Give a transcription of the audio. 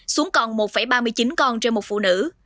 xuống còn một ba mươi chín con trên một phụ nữ